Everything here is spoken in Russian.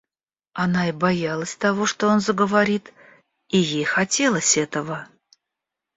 Она и боялась того, что он заговорит, и ей хотелось этого.